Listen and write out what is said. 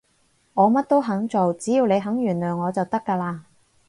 我乜都肯做，只要你肯原諒我就得㗎喇